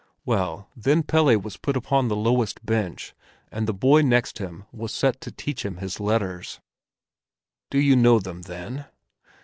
Well, then Pelle was put upon the lowest bench, and the boy next him was set to teach him his letters. "Do you know them, then?"